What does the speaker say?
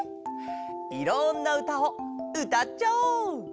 いろんなうたをうたっちゃおう！